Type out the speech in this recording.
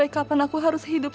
boleh saya juga kisahkan